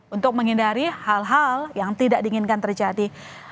untuk menghindari hal hal yang tidak diinginkan terjadi